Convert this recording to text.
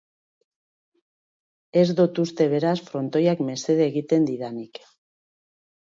Ez dot uste beraz, frontoiak mesede egiten didanik.